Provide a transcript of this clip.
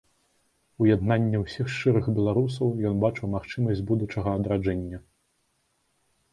У яднанні ўсіх шчырых беларусаў ён бачыў магчымасць будучага адраджэння.